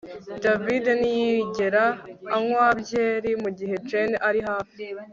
David ntiyigera anywa byeri mugihe Jane ari hafi